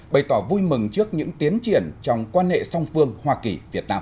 bày tỏ vui mừng trước những tiến triển trong quan hệ song phương hoa kỳ việt nam